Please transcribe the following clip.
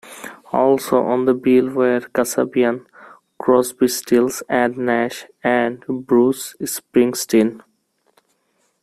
Also on the bill were Kasabian, Crosby Stills and Nash, and Bruce Springsteen.